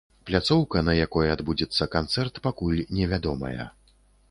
Пляцоўка, на якой адбудзецца канцэрт, пакуль невядомая.